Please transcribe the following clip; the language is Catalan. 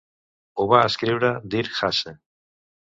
Ho va escriure Dirk Hasse.